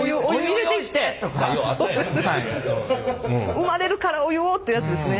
産まれるからお湯をってやつですね。